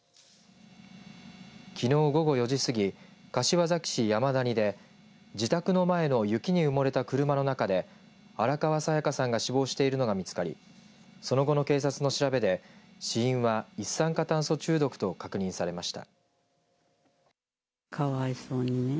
きのう、午後４時過ぎ柏崎市山澗で自宅の前の雪に埋もれた車の中で荒川紗夜嘉さんが死亡しているのが見つかりその後の警察の調べで死因は一酸化炭素中毒と確認されました。